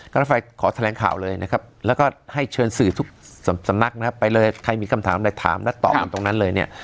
รถไฟขอแถลงข่าวเลยนะครับแล้วก็ให้เชิญสื่อทุกสำนักนะครับไปเลยใครมีคำถามอะไรถามและตอบกันตรงนั้นเลยเนี่ย